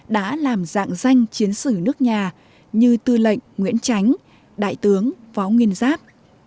đã làm dạng danh chiến sử nước nhà như tư lệnh nguyễn chánh đại tướng phó nguyên giáp